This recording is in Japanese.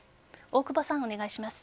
大久保さん、お願いします。